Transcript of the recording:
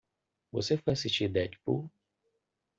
Você foi assisti Deadpool?